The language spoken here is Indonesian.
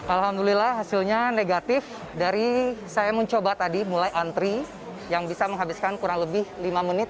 alhamdulillah hasilnya negatif dari saya mencoba tadi mulai antri yang bisa menghabiskan kurang lebih lima menit